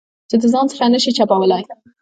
چې د ځان څخه یې نه شې چپولای.